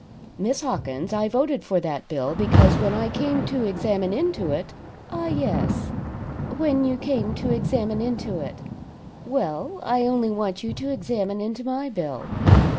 "Miss Hawkins, I voted for that bill because when I came to examine into it " "Ah yes. When you came to examine into it. Well, I only want you to examine into my bill. Mr.